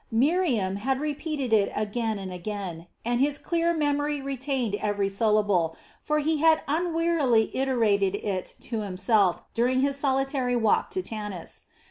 Miriam had repeated it again and again, and his clear memory retained every syllable, for he had unweariedly iterated it to himself during his solitary walk to Tanis.